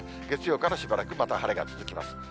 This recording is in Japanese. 月曜からしばらくまた晴れが続きます。